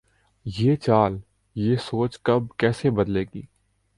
یہ چال، یہ سوچ کب‘ کیسے بدلے گی؟